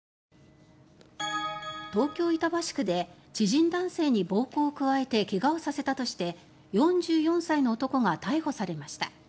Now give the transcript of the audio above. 東京・板橋区で知人男性に暴行を加えて怪我をさせたとして４４歳の男が逮捕されました。